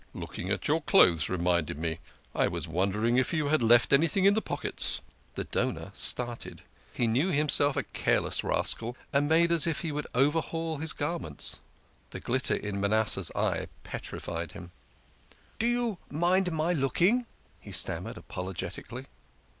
" Looking at your clothes reminded me. I was wonder ing if you had left anything in the pockets." The donor started he knew himself a careless rascal and made as if he would overhaul his garments. The glitter in Manasseh's eye petrified him. "Do you do you mind my looking? " he stammered apologetically.